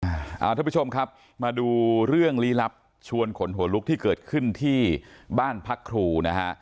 ท่านผู้ชมครับมาดูเรื่องลี้ลับชวนขนหัวลุกที่เกิดขึ้นที่บ้านพักครูนะฮะ